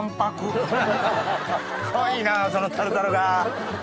かわいいなそのタルタルが！